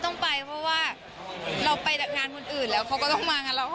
ถ้าเขาแต่งเราก็ไปยินดีเหรอ